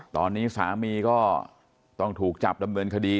ตอนนี้สามีก็ต้องถูกจับดำเนินคดี